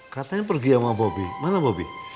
katanya pergi sama bobi mana bobi